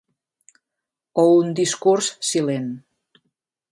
O un «discurs silent».